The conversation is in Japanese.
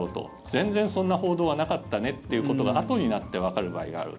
全然、そんな報道はなかったねということがあとになってわかる場合がある。